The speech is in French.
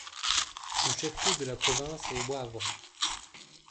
Le chef-lieu de la province est Wavre.